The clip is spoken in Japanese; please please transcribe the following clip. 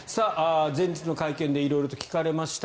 前日の会見で色々と聞かれました。